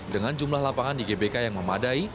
dengan jumlah lapangan di gbk yang memadai